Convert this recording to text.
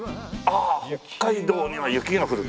『ああ北海道には雪がふる』。